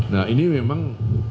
nah ini memang